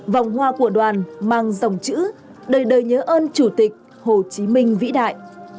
vòng hoa của đoàn mang dòng chữ đời đời nhớ ơn chủ tịch hồ chí minh vĩ đại